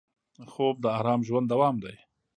خوب د ارام ژوند دوام دی